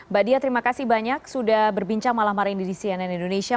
mbak diah terima kasih banyak sudah berbincang malam hari ini di cnn indonesia